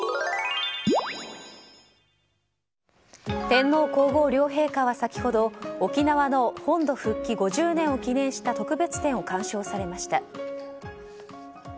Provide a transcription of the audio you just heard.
天皇・皇后両陛下は先ほど沖縄の本土復帰５０年を記念した特別展を鑑賞されました。